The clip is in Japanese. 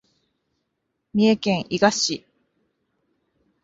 三重県伊賀市